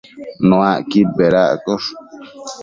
Nuacquid bedaccosh